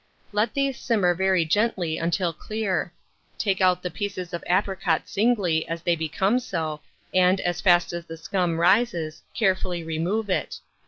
Let these simmer very gently until clear; take out the pieces of apricot singly as they become so, and, as fast as the scum rises, carefully remove it.